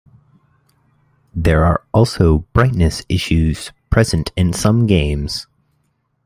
There are also brightness issues present in some games.